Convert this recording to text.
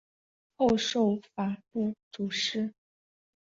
后授法部主事。